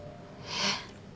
えっ？